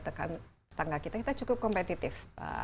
setengah kita kita cukup kompetitif